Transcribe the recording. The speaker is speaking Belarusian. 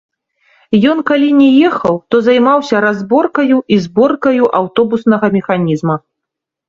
Ён калі не ехаў, то займаўся разборкаю і зборкаю аўтобуснага механізма.